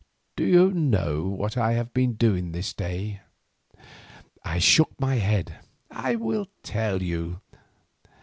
Do you know what I have been doing this day?" I shook my head. "I will tell you.